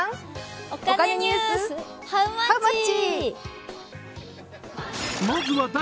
お金ニュース」ハウマッチ！